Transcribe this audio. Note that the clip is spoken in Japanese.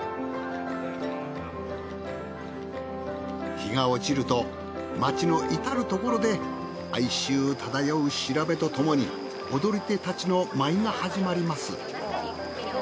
日が落ちると町の至る所で哀愁漂う調べとともに踊り手たちの舞いが始まります。